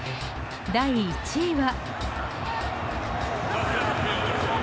第１位は。